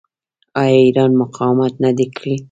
آیا ایران مقاومت نه دی کړی؟